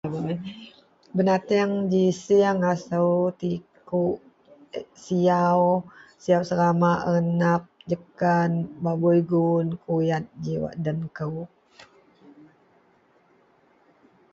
Binatang ji sieng, asu, siaw, siaw serama, arnab, babui guun jegam kuyad ji wak den kou.